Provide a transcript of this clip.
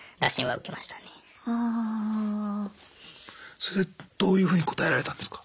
それでどういうふうに答えられたんですか？